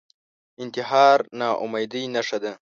انتحار ناامیدۍ نښه ده